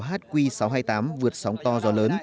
hq sáu trăm hai mươi tám vượt sóng to gió lớn